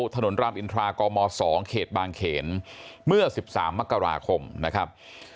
รามอินทรากม๒เขตบางเขนเมื่อ๑๓มกราคมนะครับ